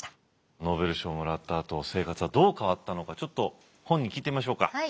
ノーベル賞をもらったあと生活はどう変わったのかちょっと本人に聞いてみましょうか。